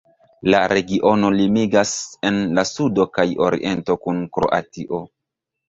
La regiono limigas en la sudo kaj oriento kun Kroatio.